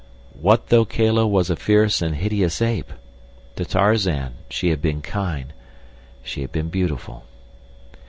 What though Kala was a fierce and hideous ape! To Tarzan she had been kind, she had been beautiful.